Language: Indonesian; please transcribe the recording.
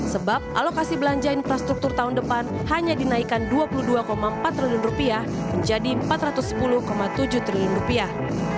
sebab alokasi belanja infrastruktur tahun depan hanya dinaikkan dua puluh dua empat triliun rupiah menjadi empat ratus sepuluh tujuh triliun rupiah